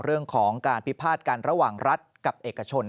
เรื่องของการพิพาทกันระหว่างรัฐกับเอกชน